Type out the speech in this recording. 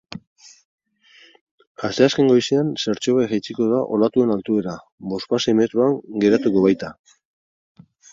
Asteazken goizean, zertxobait jaitsiko da olatuen altuera, bospasei metroan geratuko baita.